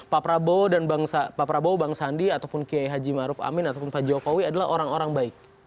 pak prabowo dan bang prabowo bang sandi ataupun kiai haji maruf amin ataupun pak jokowi adalah orang orang baik